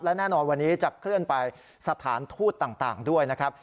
และแน่นอนวันนี้จะเคลื่อนไปสถานทูตต่างด้วยนะครับ